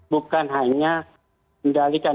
bukan hanya kendalikan